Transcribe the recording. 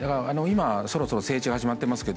そろそろ整地が始まっていますが